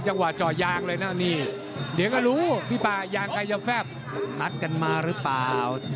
ครับครับครับครับครับครับครับครับครับครับครับครับครับครับครับ